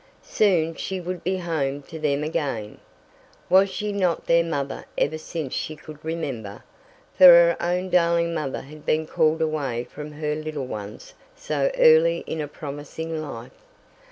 Soon she would be home to them again! Was she not their mother ever since she could remember? For her own darling mother had been called away from her little ones so early in a promising life!